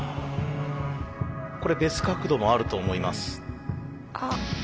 これ別角度もあると思います。